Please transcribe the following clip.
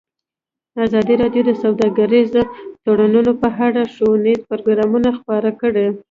ازادي راډیو د سوداګریز تړونونه په اړه ښوونیز پروګرامونه خپاره کړي.